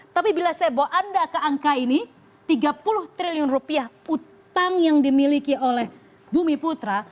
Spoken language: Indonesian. tapi bila saya bawa anda ke angka ini tiga puluh triliun rupiah utang yang dimiliki oleh bumi putra